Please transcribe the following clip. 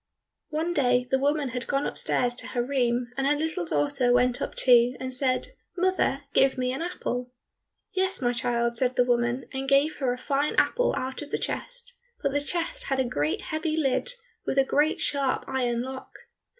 One day the woman had gone upstairs to her room, and her little daughter went up too, and said, "Mother, give me an apple." "Yes, my child," said the woman, and gave her a fine apple out of the chest, but the chest had a great heavy lid with a great sharp iron lock.